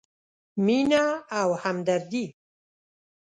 مینه او همدردي: